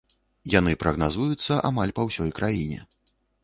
Яны прагназуюцца амаль па ўсёй краіне.